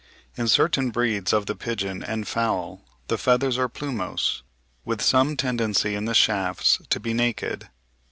In certain breeds of the pigeon and fowl the feathers are plumose, with some tendency in the shafts to be naked.